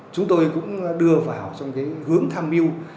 chúng tôi cũng đưa vào hướng tham mưu